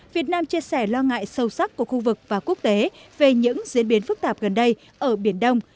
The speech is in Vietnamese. việt nam chia sẻ lo ngại sâu sắc của khu vực và quốc tế về những diễn biến phức tạp gần đây ở biển đông